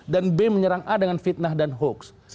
dan b menyerang a dengan fitnah dan hoaks